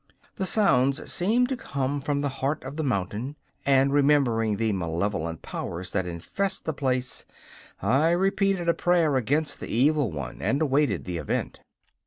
The sounds seemed to come from the heart of the mountain and, remembering the malevolent powers that infest the place, I repeated a prayer against the Evil One and awaited the event.